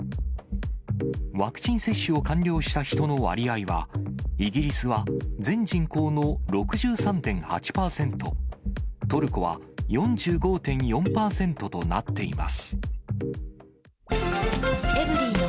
ワクチン接種を完了した人の割合は、イギリスは全人口の６３．８％、トルコは４５．４％となっています。